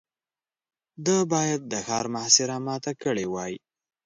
ده بايد د ښار محاصره ماته کړې وای.